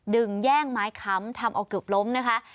แย่งไม้ค้ำทำเอาเกือบล้มนะคะ